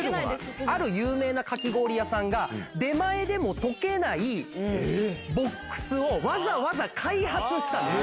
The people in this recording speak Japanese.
有名なかき氷屋さんが出前でも溶けないボックスをわざわざ開発したんです。